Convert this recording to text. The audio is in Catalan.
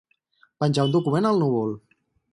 Penjar un document al núvol.